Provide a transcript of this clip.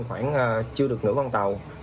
khoảng chưa được nửa con tàu